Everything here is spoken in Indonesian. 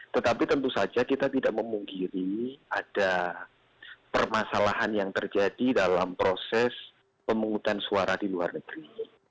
tetapi tentu saja kita tidak memungkiri ada permasalahan yang terjadi dalam proses pemungutan suara di luar negeri